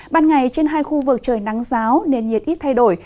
ban ngày trên hai khu vực trời nắng ráo